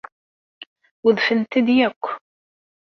Udfent-d akk.